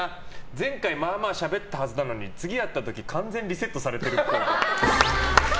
前回まあまあしゃべったはずなのに次会った時完全リセットされてるっぽい。